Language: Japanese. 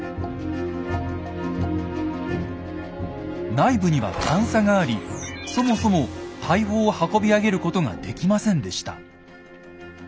内部には段差がありそもそも大砲を運び上げることができませんでした。